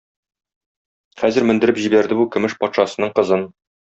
Хәзер мендереп җибәрде бу көмеш патшасының кызын.